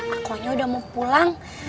aku aja udah mau pulang